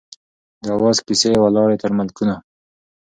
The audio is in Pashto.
د آواز کیسې یې ولاړې تر ملکونو